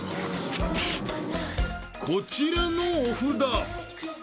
［こちらのお札］